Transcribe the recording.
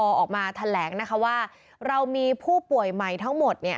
ออกมาแถลงนะคะว่าเรามีผู้ป่วยใหม่ทั้งหมดเนี่ย